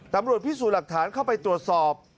ตำรวจพิสูจน์หลักฐานเข้าไปตรวจสอบ